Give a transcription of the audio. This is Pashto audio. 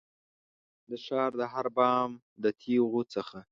د ښار د هر بام د تېغو څخه